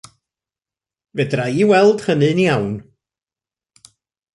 Fedra i weld hynny'n iawn.